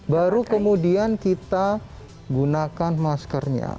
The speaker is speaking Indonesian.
baru kemudian kita gunakan maskernya